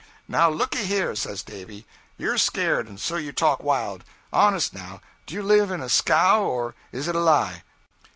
'Now, looky here,' says Davy; 'you're scared, and so you talk wild. Honest, now, do you live in a scow, or is it a lie?'